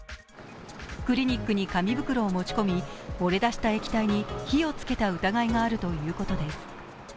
クリニックに紙袋を持ち込み漏れ出した液体に火をつけた疑いがあるということです。